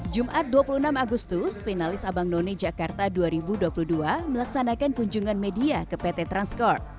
jumat dua puluh enam agustus finalis abang none jakarta dua ribu dua puluh dua melaksanakan kunjungan media ke pt transcorp